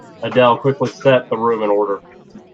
Adele quickly set the room in order.